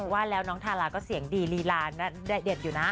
ว่าแล้วน้องทาราก็เสียงดีลีลาเด็ดอยู่นะ